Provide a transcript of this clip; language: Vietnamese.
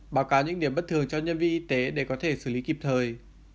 báo cáo những điểm bất thường cho nhân viên y tế để có thể xử lý kịp thời